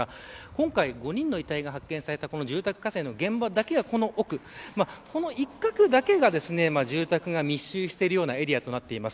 今回５人の遺体が発見された住宅火災の現場は、この奥この一角だけが住宅が密集しているようなエリアです。